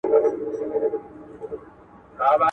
ښځه په خپل زیار سره د یوې سوکاله ټولنې په جوړولو کي برخه اخلي.